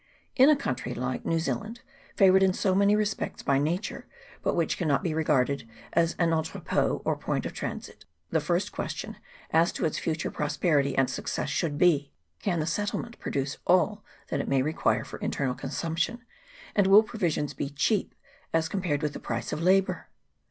In a country like New Zealand, favoured in so many respects by nature, CHAP. I.] GENERAL REMARKS. 9 but which cannot be regarded as an entrepot or point of transit, the first question as to its future prosperity and success should be : Can the settle ment produce all that it may require for internal consumption, and will provisions be cheap as com pared with the price of labour